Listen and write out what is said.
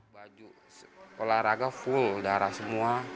baju olahraga full darah semua